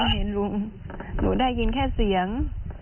หนูได้ยินแค่เสียง